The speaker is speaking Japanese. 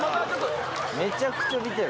めちゃくちゃ見てる。